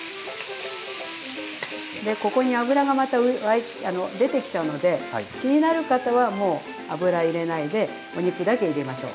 ここに脂がまた出てきちゃうので気になる方はもう脂入れないでお肉だけ入れましょう。